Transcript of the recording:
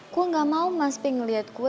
gue enggak mau mas pink ngelihat gue